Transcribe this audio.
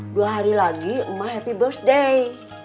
dua hari lagi emak happy birthday